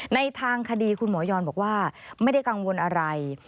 ในทางคดีคุณหมอยอนบอกว่าไม่ได้กังวลอะไร